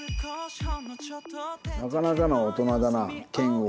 なかなかの大人だな拳王。